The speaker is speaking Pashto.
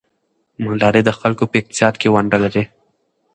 مالداري د خلکو په اقتصاد کې ونډه لري.